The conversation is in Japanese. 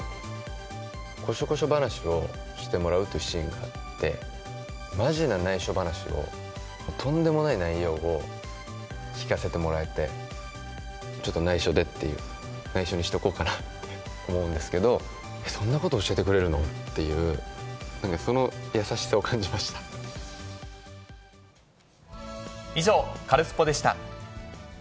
こしょこしょ話をしてもらうというシーンがあって、まじなないしょ話を、とんでもない内容を聞かせてもらえて、ちょっとないしょでっていう、ないしょにしておこうかなと思うんですけど、そんなこと教えてくれるの？っていう、その優しさを以上、カルスポっ！でした。